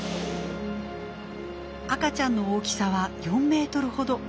赤ちゃんの大きさは４メートルほど。